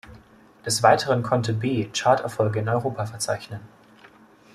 Des Weiteren konnte "Be" Charterfolge in Europa verzeichnen.